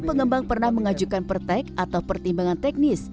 pengembang pernah mengajukan pertek atau pertimbangan teknis